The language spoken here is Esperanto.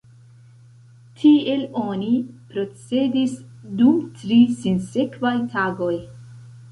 Tiel oni procedis dum tri sinsekvaj tagoj.